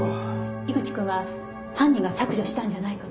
井口君は犯人が削除したんじゃないかと。